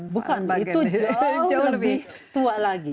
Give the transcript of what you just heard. bukan itu jauh lebih tua lagi